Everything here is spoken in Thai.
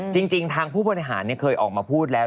จริงทางผู้บริหารเคยออกมาพูดแล้ว